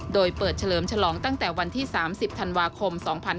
โดยเปิดเฉลิมฉลองตั้งแต่วันที่๓๐ธันวาคม๒๕๕๙